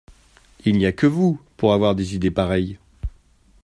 Il n’y a que vous pour avoir des idées pareilles.